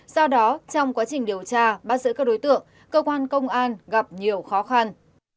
do đó trong quá trình điều tra bắt giữ các đối tượng cơ quan công an gặp nhiều khó khăn